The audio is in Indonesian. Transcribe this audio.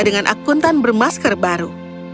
dengan akuntan bermasker baru